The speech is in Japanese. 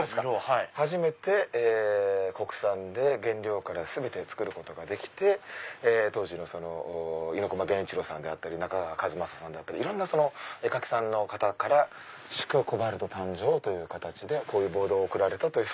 初めて国産で原料から全て作ることができて当時の猪熊弦一郎さんであったり中川一政さんであったりいろんな絵描きさんの方から祝コバルト誕生という形でこういうボードを贈られたという。